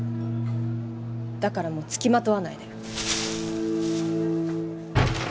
だからもうつきまとわないで。